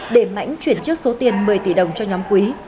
để mãnh chuyển trước số tiền một mươi tỷ đồng cho nhóm quý